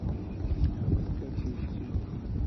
Jamaica, Sci.